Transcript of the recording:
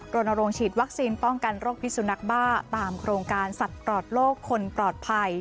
รณรงค์ฉีดวัคซีนป้องกันโรคพิสุนักบ้าตามโครงการสัตว์ปลอดโลกคนปลอดภัย